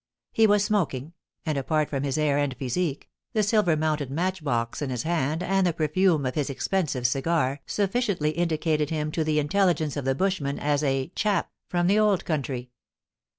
He was smoking, and apart from his air and physique, the silver mounted match box in his hand and the perfume of his expensive cigar sufficiently indicated him to the intel ligence of the bushmen as * a chap from the old country.'